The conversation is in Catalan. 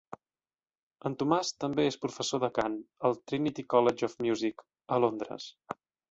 En Tomàs també és professor de cant al Trinity College of Music a Londres.